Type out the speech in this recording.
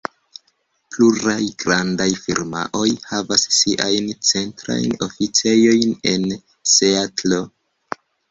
Pluraj grandaj firmaoj havas siajn centrajn oficejojn en Seatlo.